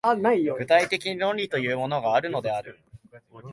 具体的論理というものがあるのである。